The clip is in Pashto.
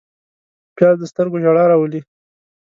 پیاز د سترګو ژړا راولي